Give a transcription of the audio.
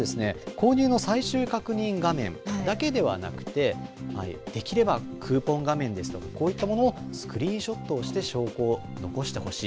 購入の最終確認画面だけではなくてできればクーポン画面ですとかこういったものをスクリーンショットをして証拠を残してほしい。